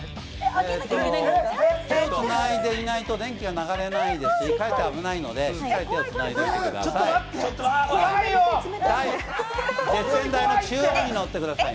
手をつないでいないと電気が流れないですしかえって危ないのでしっかり手をつないでおいてください。